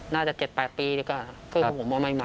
น่าจะเจ็ดแปดปีเลยก็ค่ะ